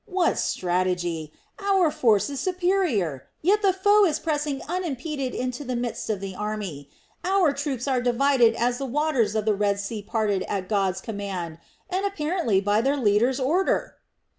What strategy! Our force is superior, yet the foe is pressing unimpeded into the midst of the army. Our troops are dividing as the waters of the Red Sea parted at God's command, and apparently by their leader's order."